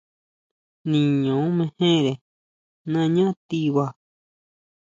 Niño mejere nañá tiba.